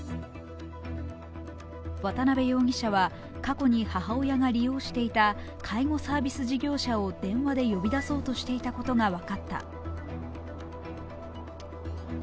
渡辺容疑者は過去に母親が利用していた介護サービス事業者を電話で呼び出そうとしていたことが分かった。